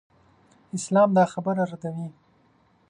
اسلام دا خبره ردوي.